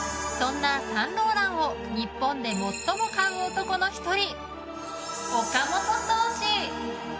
そんなサンローランを日本で最も買う男の１人岡本宗史。